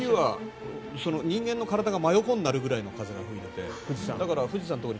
人間の体が真横になるぐらいの風が吹いていて富士山には